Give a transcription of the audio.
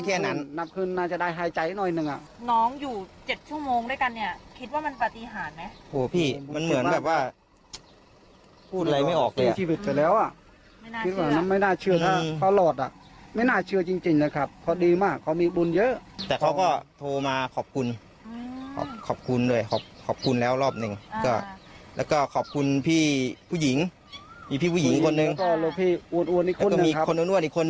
คิดว่ามันปฏิหารไหมโหพี่มันเหมือนแบบว่าพูดอะไรไม่ออกเลยอ่ะไม่น่าเชื่อไม่น่าเชื่อถ้าเขาหลอดอ่ะไม่น่าเชื่อจริงจริงนะครับเขาดีมากเขามีบุญเยอะแต่เขาก็โทรมาขอบคุณอืมขอบคุณด้วยขอบคุณแล้วรอบหนึ่งอ่าแล้วก็ขอบคุณพี่ผู้หญิงมีพี่ผู้หญิงคนหนึ่งแล้วก็พี่อวดอวดอ